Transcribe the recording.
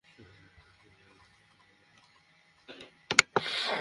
আমার ক্লাসের জন্য দেরি হচ্ছে।